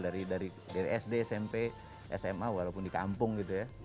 dari sd smp sma walaupun di kampung gitu ya